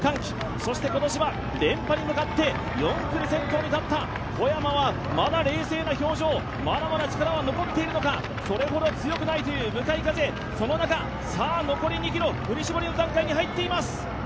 そして今年は連覇に向かって４区で先頭に立った小山はまだ冷静な表情、まだ力は残っているのかそれほど強くないという向かい風の中、残り２ｋｍ、振り絞りの段階に入っています。